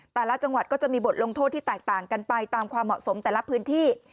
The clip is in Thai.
แต่ละจังหวัดก็จะมีบทลงโทษที่แตกต่างกันไปตามความเหมาะสมแต่ละพื้นที่